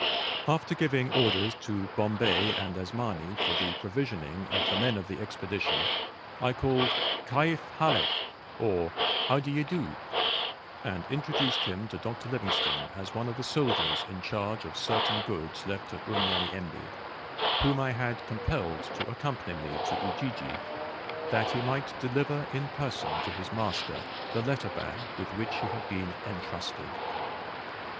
After giving orders to Bombay and Asmani for the provisioning of the men of the Expedition, I called "Kaif Halek," or "How do ye do," and introduced him to Dr. Livingstone as one of the soldiers in charge of certain goods left at Unyanyembe, whom I had compelled to accompany me to Ujiji, that he might deliver in person to his master the letter bag with which he had been entrusted.